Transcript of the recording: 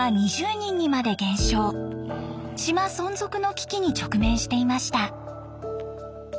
島存続の危機に直面していました。